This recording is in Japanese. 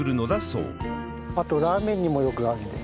あとラーメンにもよく合うんです。